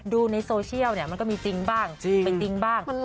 ดูในโซเชียลเนี่ยมันก็มีจริงบ้าง